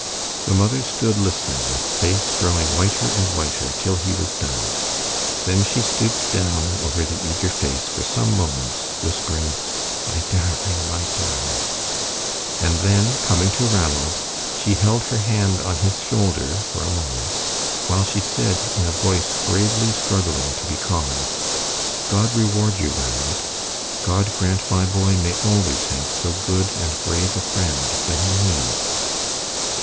The mother stood listening, with face growing whiter and whiter, till he was done. Then she stooped down over the eager face for some moments, whispering, "My darling, my darling," and then coming to Ranald she held her hand on his shoulder for a moment, while she said, in a voice bravely struggling to be calm, "God reward you, Ranald. God grant my boy may always have so good and brave a friend when he needs."